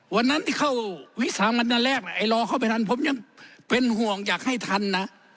วันนั้นที่เข้าวิสามันตอนแรกไอ้รอเข้าไปทันผมยังเป็นห่วงอยากให้ทันนะ